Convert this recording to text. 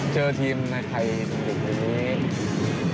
เจอทีมในไทยสุดท้ายนี้